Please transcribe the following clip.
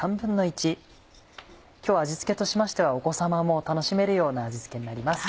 今日味付けとしましてはお子様も楽しめるような味付けになります。